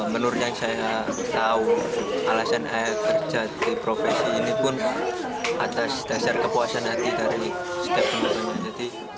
menurut yang saya tahu alasan saya kerja di profesi ini pun atas dasar kepuasan hati dari setiap teman teman